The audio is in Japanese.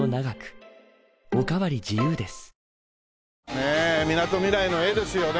ねえみなとみらいの絵ですよね。